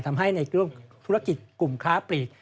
ทำให้ในกิจกลุ่มค้าปลีก